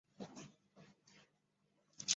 是练习书法的重要基本功。